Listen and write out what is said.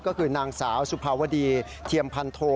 ก็คือนางสาวสุภาวดีเทียมพันโท